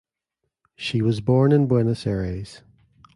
She was born in Buenos Aires.